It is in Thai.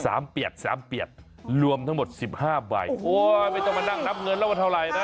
เปียกสามเปียกรวมทั้งหมดสิบห้าใบโอ้ยไม่ต้องมานั่งนับเงินแล้ววันเท่าไหร่นะ